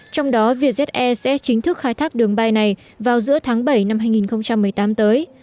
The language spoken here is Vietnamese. trong đó vietjet air sẽ chính thức khai thác đường bay này vào giữa tháng bảy năm hai nghìn một mươi tám tới